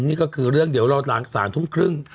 นี่ก็คือเรื่องเดี๋ยวรอหลัง๓ทุ่มครึ่ง